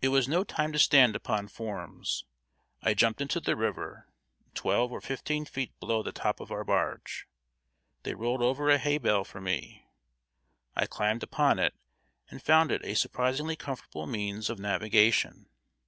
It was no time to stand upon forms. I jumped into the river twelve or fifteen feet below the top of our barge. They rolled over a hay bale for me. I climbed upon it, and found it a surprisingly comfortable means of navigation.